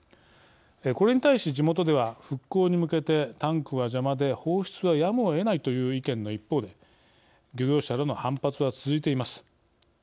これに対し地元では復興に向けてタンクは邪魔で放出はやむをえないという意見の一方で漁業者らの反発は続いています。